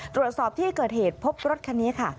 ตรวจสอบที่เกิดเหตุพบรถคันนี้ค่ะ